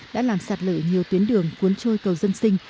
đã làm sạt lở nhiều tuyến đường cuốn trôi cầu dân sinh